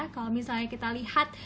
kalau misalnya kita lihat